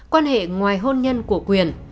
quan hệ ngoài hôn nhân của quyền